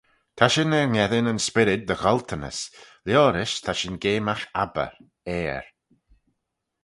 Ta shin er ngheddyn yn Spyrryd dy gholtanys, liorish ta shin geamagh Abba, Ayr.